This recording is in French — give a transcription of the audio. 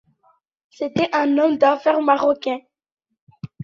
C'était un homme d'affaires marocain.